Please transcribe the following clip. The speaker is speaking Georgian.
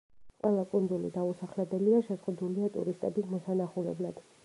ყველა კუნძული დაუსახლებელია, შეზღუდულია ტურისტების მოსანახულებლად.